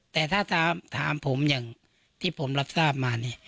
แต่ถ้าถามผมอย่างที่ผมรับทราบมานี่